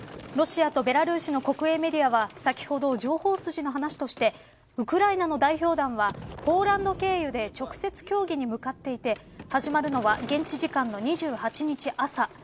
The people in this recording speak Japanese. ロシアとベラルーシの国営メディアは、先ほど情報筋の話としてウクライナの代表団はポーランド経由で直接協議に向かっていて始まるのは現地時間の２８日朝。